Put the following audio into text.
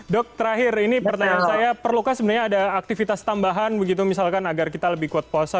dok terakhir ini pertanyaan saya perlukah sebenarnya ada aktivitas tambahan begitu misalkan agar kita lebih kuat puasa